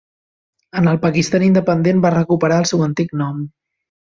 En el Pakistan independent va recuperar el seu antic nom.